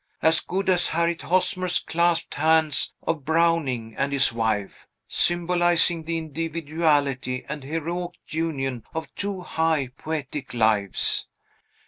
As good as Harriet Hosmer's clasped hands of Browning and his wife, symbolizing the individuality and heroic union of two high, poetic lives!